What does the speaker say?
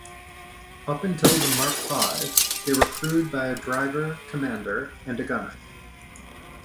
Up until the Mark Five, they were crewed by a driver-commander and gunner.